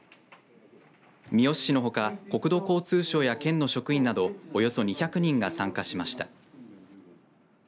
三次市のほか国土交通省や県の職員など、およそ２００人が参加しました。